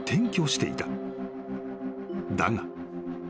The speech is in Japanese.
［だが］